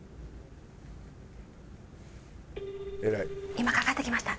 今かかってきました。